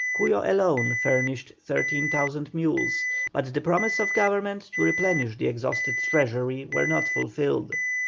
Cuyo alone furnished 13,000 mules, but the promises of Government to replenish the exhausted treasury were not fulfilled.